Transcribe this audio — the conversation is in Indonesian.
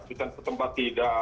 bukan tempat tidak